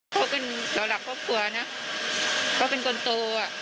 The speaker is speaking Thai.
พ่อเป็นเสาหลักครอบครัวเขาเป็นคนโต